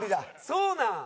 そうなの？